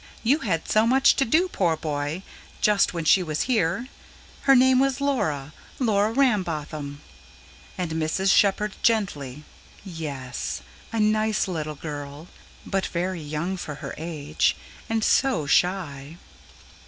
You had so much to do, poor boy, just when she was here. Her name was Laura Laura Rambotham." And Mrs. Shepherd gently: "Yes, a nice little girl. But very young for her age. And SO shy."